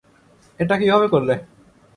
এটা কীভাবে করলে?